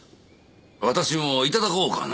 私も頂こうかな